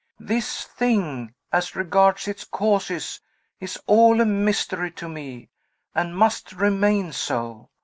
"This thing, as regards its causes, is all a mystery to me, and must remain so.